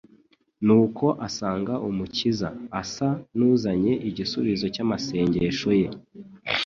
Nuko asanga Umukiza, asa n'uzanye igisubizo cy'amasengesho ye,